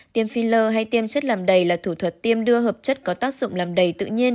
tiêm filler hay tiêm chất làm đầy là thủ thuật tiêm đưa hợp chất có tác dụng làm đầy tự nhiên